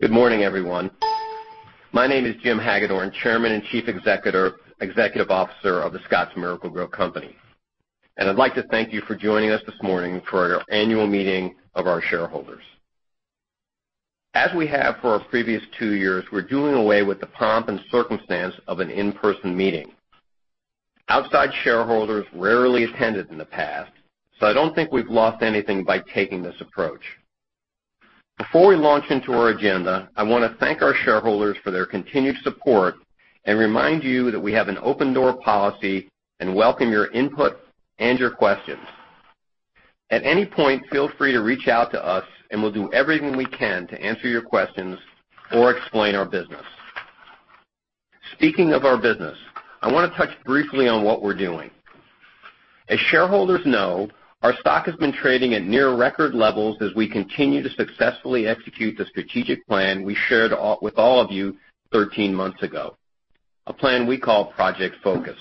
Good morning, everyone. My name is Jim Hagedorn, Chairman and Chief Executive Officer of The Scotts Miracle-Gro Company. I'd like to thank you for joining us this morning for our annual meeting of our shareholders. As we have for our previous two years, we're doing away with the pomp and circumstance of an in-person meeting. Outside shareholders rarely attended in the past, I don't think we've lost anything by taking this approach. Before we launch into our agenda, I want to thank our shareholders for their continued support and remind you that we have an open-door policy and welcome your input and your questions. At any point, feel free to reach out to us, we'll do everything we can to answer your questions or explain our business. Speaking of our business, I want to touch briefly on what we're doing. As shareholders know, our stock has been trading at near record levels as we continue to successfully execute the strategic plan we shared with all of you 13 months ago, a plan we call Project Focus.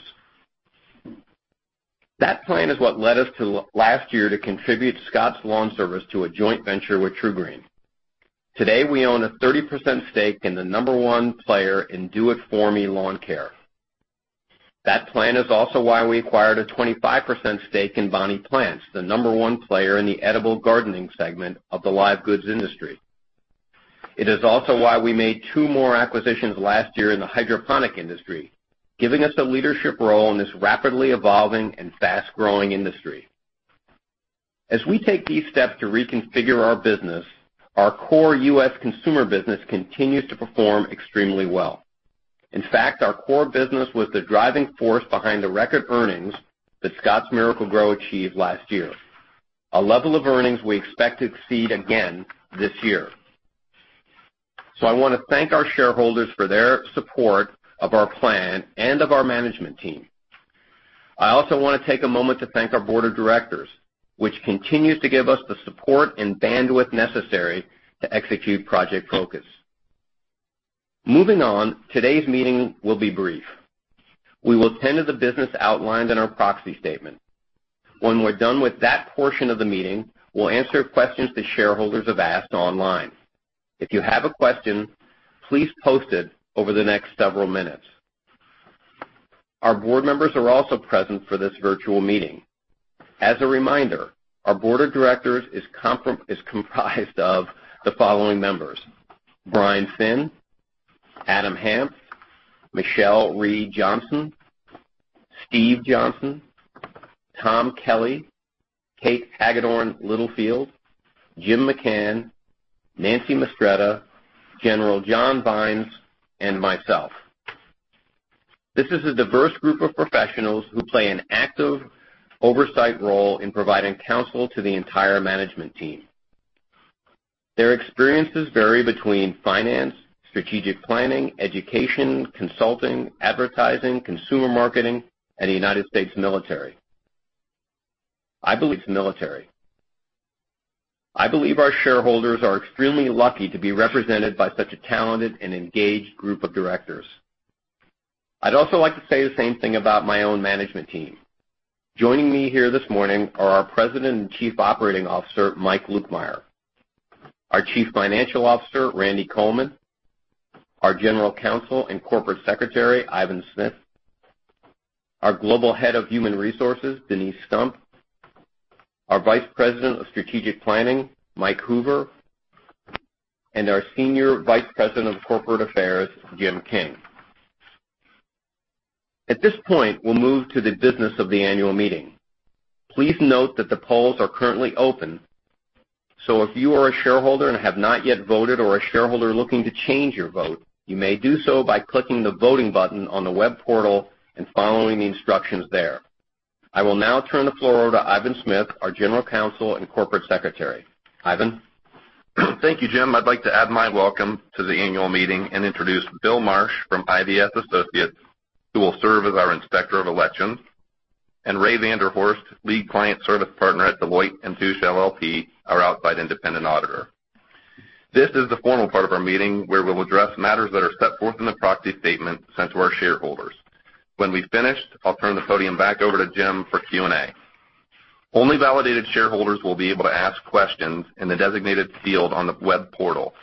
That plan is what led us to, last year, to contribute Scotts LawnService to a joint venture with TruGreen. Today, we own a 30% stake in the number one player in do it for me lawn care. That plan is also why we acquired a 25% stake in Bonnie Plants, the number one player in the edible gardening segment of the live goods industry. It is also why we made two more acquisitions last year in the hydroponic industry, giving us a leadership role in this rapidly evolving and fast-growing industry. As we take these steps to reconfigure our business, our core U.S. consumer business continues to perform extremely well. In fact, our core business was the driving force behind the record earnings that Scotts Miracle-Gro achieved last year, a level of earnings we expect to exceed again this year. I want to thank our shareholders for their support of our plan and of our management team. I also want to take a moment to thank our board of directors, which continues to give us the support and bandwidth necessary to execute Project Focus. Moving on, today's meeting will be brief. We will attend to the business outlined in our proxy statement. When we're done with that portion of the meeting, we'll answer questions that shareholders have asked online. If you have a question, please post it over the next several minutes. Our board members are also present for this virtual meeting. As a reminder, our board of directors is comprised of the following members: Brian Finn, Adam Hanft, Michelle Reed Johnson, Steve Johnson, Tom Kelly, Kate Hagedorn Littlefield, Jim McCann, Nancy Mistretta, General John Vines, and myself. This is a diverse group of professionals who play an active oversight role in providing counsel to the entire management team. Their experiences vary between finance, strategic planning, education, consulting, advertising, consumer marketing, and the United States military. I believe our shareholders are extremely lucky to be represented by such a talented and engaged group of directors. I'd also like to say the same thing about my own management team. Joining me here this morning are our President and Chief Operating Officer, Mike Lukemire; our Chief Financial Officer, Randy Coleman; our General Counsel and Corporate Secretary, Ivan Smith; our Global Head of Human Resources, Denise Stump; our Vice President of Strategic Planning, Mike Hoover, and our Senior Vice President of Corporate Affairs, Jim King. At this point, we'll move to the business of the annual meeting. Please note that the polls are currently open, if you are a shareholder and have not yet voted or a shareholder looking to change your vote, you may do so by clicking the voting button on the web portal and following the instructions there. I will now turn the floor over to Ivan Smith, our General Counsel and Corporate Secretary. Ivan. Thank you, Jim. I'd like to add my welcome to the annual meeting and introduce Bill Marsh from IVS Associates, who will serve as our Inspector of Elections, and Ray Vander Horst, Lead Client Service Partner at Deloitte & Touche LLP, our outside independent auditor. This is the formal part of our meeting where we'll address matters that are set forth in the proxy statement sent to our shareholders. When we finish, I'll turn the podium back over to Jim for Q&A. Only validated shareholders will be able to ask questions in the designated field on the web portal.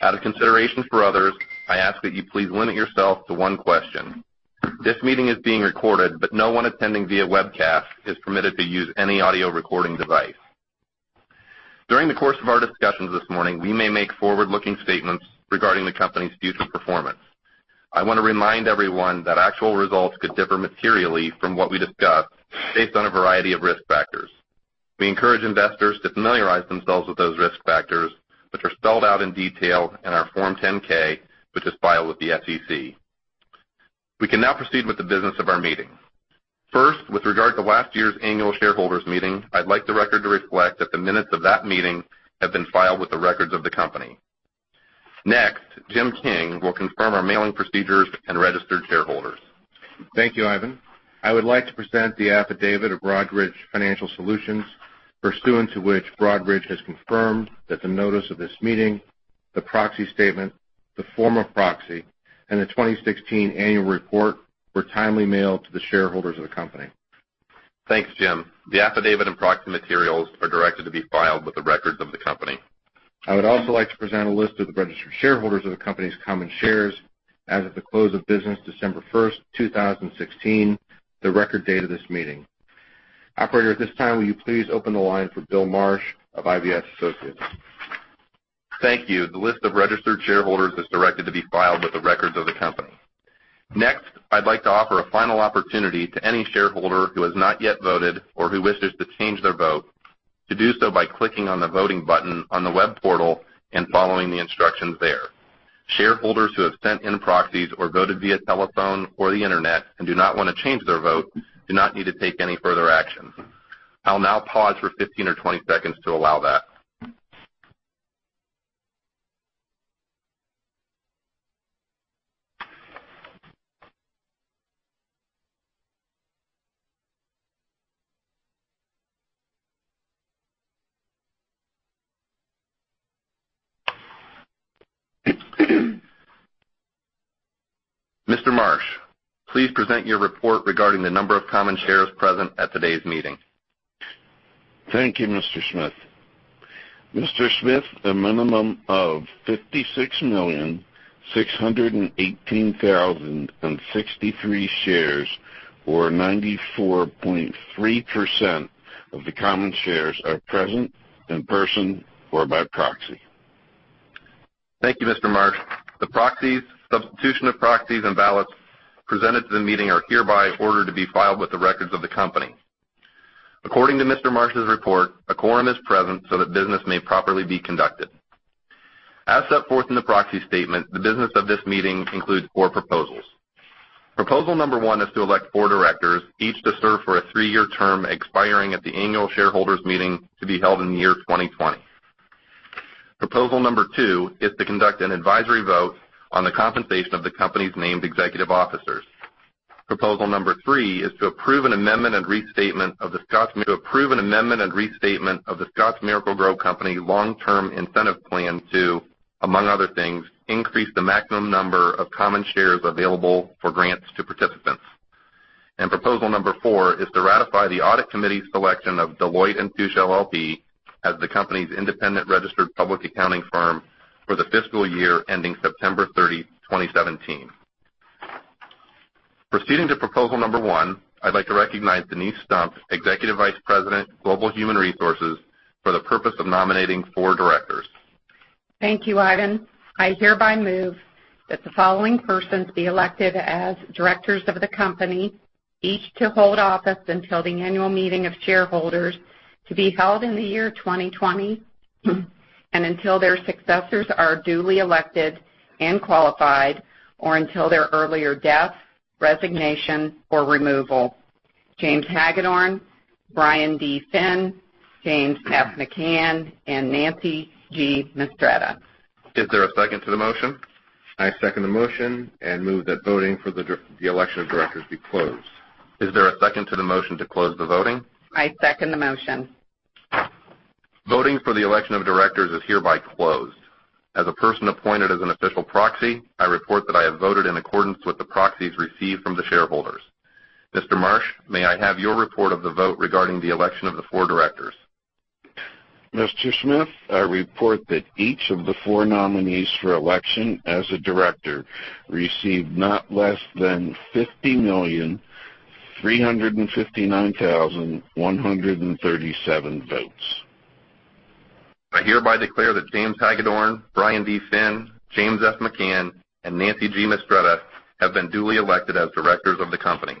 Out of consideration for others, I ask that you please limit yourself to one question. This meeting is being recorded, but no one attending via webcast is permitted to use any audio recording device. During the course of our discussions this morning, we may make forward-looking statements regarding the company's future performance. I want to remind everyone that actual results could differ materially from what we discuss based on a variety of risk factors. We encourage investors to familiarize themselves with those risk factors, which are spelled out in detail in our Form 10-K, which is filed with the SEC. We can now proceed with the business of our meeting. First, with regard to last year's annual shareholders meeting, I'd like the record to reflect that the minutes of that meeting have been filed with the records of the company. Next, Jim King will confirm our mailing procedures and registered shareholders. Thank you, Ivan. I would like to present the affidavit of Broadridge Financial Solutions, pursuant to which Broadridge has confirmed that the notice of this meeting, the proxy statement, the form of proxy, and the 2016 annual report were timely mailed to the shareholders of the company. Thanks, Jim. The affidavit and proxy materials are directed to be filed with the records of the company. I would also like to present a list of the registered shareholders of the company's common shares as of the close of business December first, 2016, the record date of this meeting. Operator, at this time, will you please open the line for Bill Marsh of IVS Associates? Thank you. The list of registered shareholders is directed to be filed with the records of the company. Next, I'd like to offer a final opportunity to any shareholder who has not yet voted or who wishes to change their vote to do so by clicking on the voting button on the web portal and following the instructions there. Shareholders who have sent in proxies or voted via telephone or the internet and do not want to change their vote do not need to take any further action. I'll now pause for 15 or 20 seconds to allow that. Mr. Marsh, please present your report regarding the number of common shares present at today's meeting. Thank you, Mr. Smith. Mr. Smith, a minimum of 56,618,063 shares, or 94.3% of the common shares, are present in person or by proxy. Thank you, Mr. Marsh. The proxies, substitution of proxies, and ballots presented to the meeting are hereby ordered to be filed with the records of the company. According to Mr. Marsh's report, a quorum is present so that business may properly be conducted. As set forth in the proxy statement, the business of this meeting includes four proposals. Proposal number one is to elect four directors, each to serve for a three-year term expiring at the annual shareholders' meeting to be held in the year 2020. Proposal number two is to conduct an advisory vote on the compensation of the company's named executive officers. Proposal number three is to approve an amendment and restatement of The Scotts Miracle-Gro Company long-term incentive plan to, among other things, increase the maximum number of common shares available for grants to participants. Proposal number four is to ratify the Audit Committee's selection of Deloitte & Touche LLP as the company's independent registered public accounting firm for the fiscal year ending September 30, 2017. Proceeding to Proposal number one, I'd like to recognize Denise Stump, Executive Vice President, Global Human Resources, for the purpose of nominating four directors. Thank you, Ivan. I hereby move that the following persons be elected as directors of the company, each to hold office until the annual meeting of shareholders to be held in the year 2020 and until their successors are duly elected and qualified or until their earlier death, resignation, or removal. James Hagedorn, Brian D. Finn, James F. McCann, and Nancy G. Mistretta. Is there a second to the motion? I second the motion and move that voting for the election of directors be closed. Is there a second to the motion to close the voting? I second the motion. Voting for the election of directors is hereby closed. As a person appointed as an official proxy, I report that I have voted in accordance with the proxies received from the shareholders. Mr. Marsh, may I have your report of the vote regarding the election of the four directors? Mr. Smith, I report that each of the four nominees for election as a director received not less than 50,359,137 votes. I hereby declare that James Hagedorn, Brian D. Finn, James F. McCann, and Nancy G. Mistretta have been duly elected as directors of the company.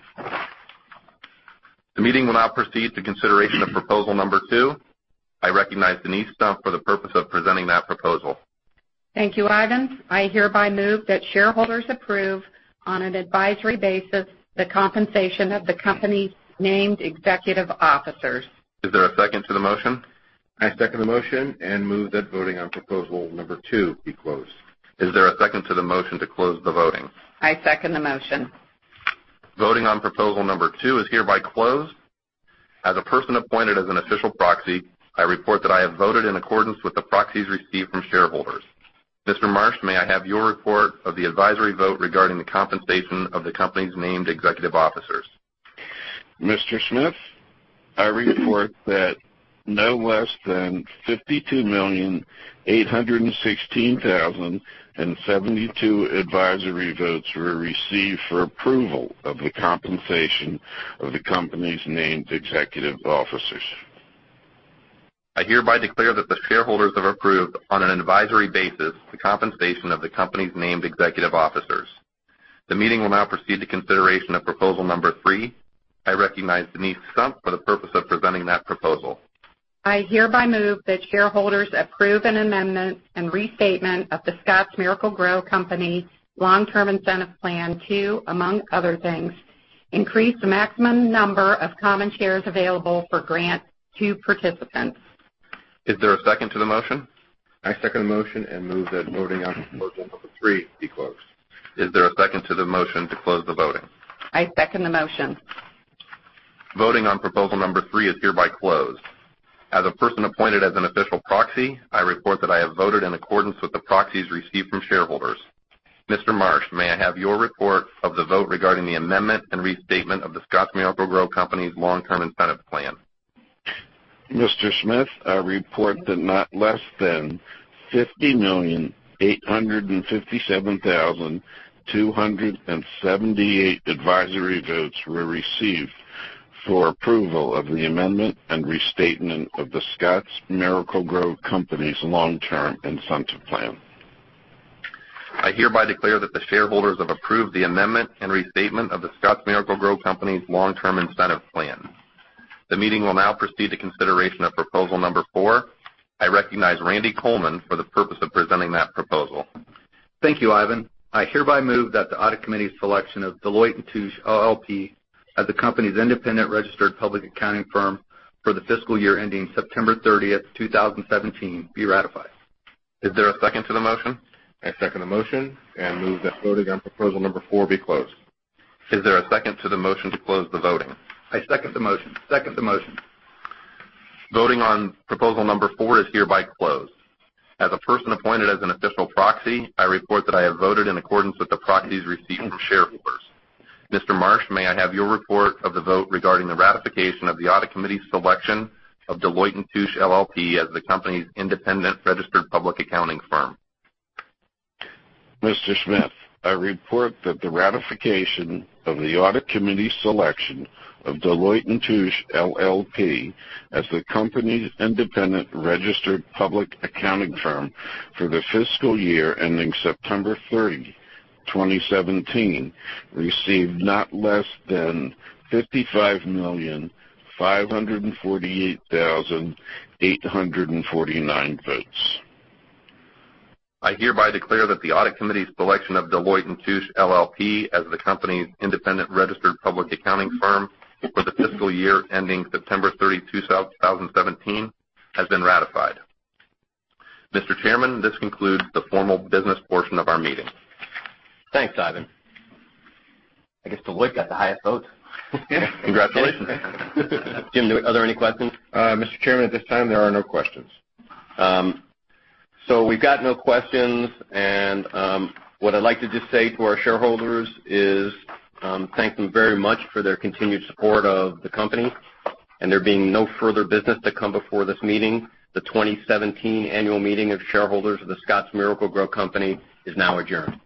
The meeting will now proceed to consideration of proposal number two. I recognize Denise Stump for the purpose of presenting that proposal. Thank you, Ivan. I hereby move that shareholders approve, on an advisory basis, the compensation of the company's named executive officers. Is there a second to the motion? I second the motion and move that voting on proposal number two be closed. Is there a second to the motion to close the voting? I second the motion. Voting on proposal number two is hereby closed. As a person appointed as an official proxy, I report that I have voted in accordance with the proxies received from shareholders. Mr. Marsh, may I have your report of the advisory vote regarding the compensation of the company's named executive officers? Mr. Smith, I report that no less than 52 million 816,072 advisory votes were received for approval of the compensation of the company's named executive officers. I hereby declare that the shareholders have approved, on an advisory basis, the compensation of the company's named executive officers. The meeting will now proceed to consideration of proposal number three. I recognize Denise Stump for the purpose of presenting that proposal. I hereby move that shareholders approve an amendment and restatement of The Scotts Miracle-Gro Company long-term incentive plan to, among other things, increase the maximum number of common shares available for grant to participants. Is there a second to the motion? I second the motion and move that voting on proposal number three be closed. Is there a second to the motion to close the voting? I second the motion. Voting on proposal number three is hereby closed. As a person appointed as an official proxy, I report that I have voted in accordance with the proxies received from shareholders. Mr. Marsh, may I have your report of the vote regarding the amendment and restatement of The Scotts Miracle-Gro Company's long-term incentive plan? Mr. Smith, I report that not less than 50,857,278 advisory votes were received for approval of the amendment and restatement of The Scotts Miracle-Gro Company's long-term incentive plan. I hereby declare that the shareholders have approved the amendment and restatement of The Scotts Miracle-Gro Company's long-term incentive plan. The meeting will now proceed to consideration of proposal number four. I recognize Randy Coleman for the purpose of presenting that proposal. Thank you, Ivan. I hereby move that the Audit Committee's selection of Deloitte & Touche LLP as the company's independent registered public accounting firm for the fiscal year ending September 30, 2017 be ratified. Is there a second to the motion? I second the motion and move that voting on proposal number four be closed. Is there a second to the motion to close the voting? I second the motion. Second the motion. Voting on proposal number 4 is hereby closed. As a person appointed as an official proxy, I report that I have voted in accordance with the proxies received from shareholders. Mr. Marsh, may I have your report of the vote regarding the ratification of the Audit Committee's selection of Deloitte & Touche LLP as the company's independent registered public accounting firm? Mr. Smith, I report that the ratification of the Audit Committee's selection of Deloitte & Touche LLP as the company's independent registered public accounting firm for the fiscal year ending September 30, 2017 received not less than 55,548,849 votes. I hereby declare that the Audit Committee's selection of Deloitte & Touche LLP as the company's independent registered public accounting firm for the fiscal year ending September 30, 2017 has been ratified. Mr. Chairman, this concludes the formal business portion of our meeting. Thanks, Ivan. I guess Deloitte got the highest vote. Congratulations. Jim, are there any questions? Mr. Chairman, at this time, there are no questions. We've got no questions, and what I'd like to just say to our shareholders is thank them very much for their continued support of the company. There being no further business to come before this meeting, the 2017 annual meeting of shareholders of The Scotts Miracle-Gro Company is now adjourned.